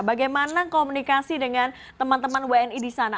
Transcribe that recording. bagaimana komunikasi dengan teman teman wni di sana